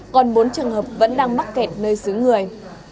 còn bốn trường hợp vẫn đang mắc kẹt nơi xứ người